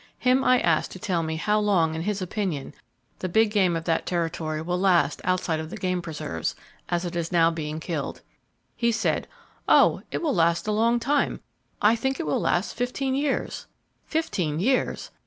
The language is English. Him I asked to tell me how long, in his opinion, the big game of that territory will last outside of the game preserves, as it is now being killed. He said, "Oh, it will last a long time. I think it will last fifteen years!" Fifteen years!